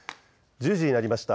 １０時になりました。